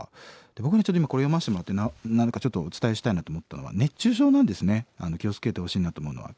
僕ねちょっと今これ読ませてもらってちょっとお伝えしたいなと思ったのは熱中症なんですね気を付けてほしいなと思うのは。